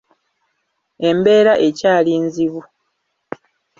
Embeera ekyali nzibu!